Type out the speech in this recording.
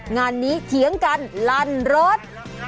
งานนี้เถียงกันลั่นรถ